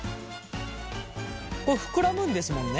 これ膨らむんですもんね。